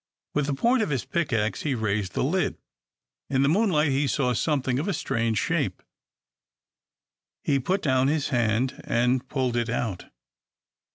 With the point of his pickaxe he raised the lid. In the moonlight he saw something of a strange shape. He put down his hand, and pulled it out.